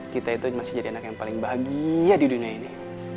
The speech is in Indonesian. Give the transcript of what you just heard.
kita itu masih jadi anak yang paling bahagia di dunia ini